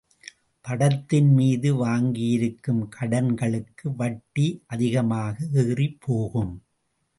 படத்தின் மீது வாங்கியிருக்கும் கடன்களுக்கு வட்டி அதிகமாக ஏறிப்போகும்.